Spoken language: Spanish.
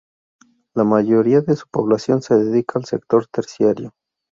La mayoría de su población se dedica al sector terciario.